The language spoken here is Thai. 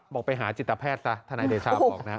บอกไปหาจิตแพทย์ซะทนายเดชาบอกนะ